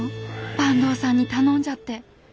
坂東さんに頼んじゃって。